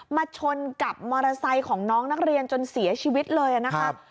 ชนกับมอเตอร์ไซค์ของน้องนักเรียนจนเสียชีวิตเลยนะครับ